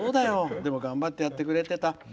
でも頑張ってやってくれてた。